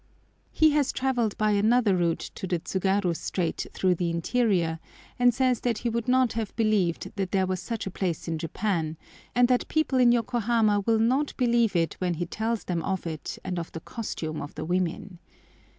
He has travelled by another route to the Tsugaru Strait through the interior, and says that he would not have believed that there was such a place in Japan, and that people in Yokohama will not believe it when he tells them of it and of the costume of the women.